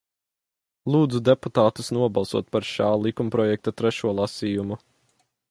Lūdzu deputātus nobalsot par šā likumprojekta trešo lasījumu.